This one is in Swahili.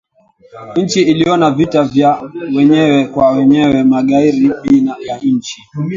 nchi iliona vita ya wenyewe kwa wenyewe magharibi ya nchi